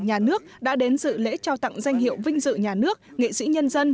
nhà nước đã đến dự lễ trao tặng danh hiệu vinh dự nhà nước nghệ sĩ nhân dân